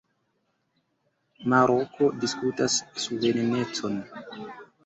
Maroko diskutas suverenecon.